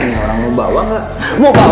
ini orang mau bawa gak mau bawa gak